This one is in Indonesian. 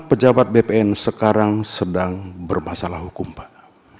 tujuh puluh delapan pejabat bpn sekarang sedang bermasalah hukum pak